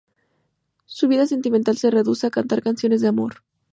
Su vida sentimental se reduce a cantar canciones de amor.